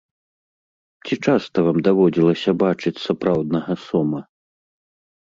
Ці часта вам даводзілася бачыць сапраўднага сома?